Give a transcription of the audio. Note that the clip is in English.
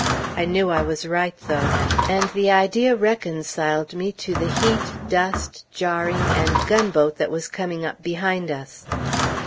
I knew I was right, though; and the idea reconciled me to the heat, dust, jarring, and gunboat that was coming up behind us.